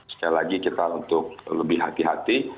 sekali lagi kita untuk lebih hati hati